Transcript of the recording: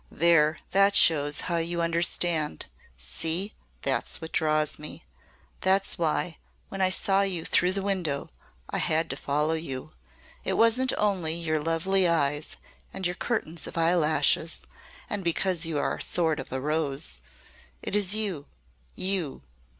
"There. That shows how you understand. See! That's what draws me. That's why, when I saw you through the window, I had to follow you. It wasn't only your lovely eyes and your curtains of eyelashes and because you are a sort of rose. It is you you!